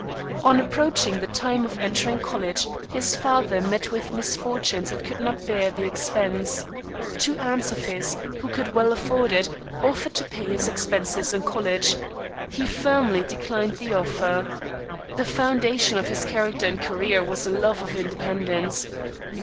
On approaching the time of entering college his father met with misfortunes and could not bear the expense. Two aunts of his, who could well afford it, offered to pay his expenses in college. He firmly declined the offer. The foundation of his character and career was a love of independence.